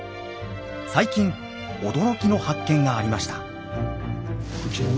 最近驚きの発見がありました。